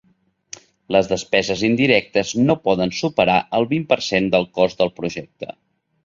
Les despeses indirectes no poden superar el vint per cent del cost del projecte.